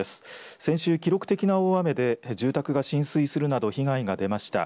先週、記録的な大雨で住宅が浸水するなど被害が出ました。